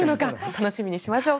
楽しみにしましょう。